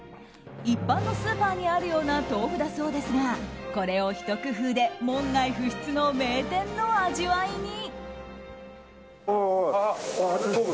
一般のスーパーにあるような豆腐だそうですがこれをひと工夫で門外不出の名店の味わいに。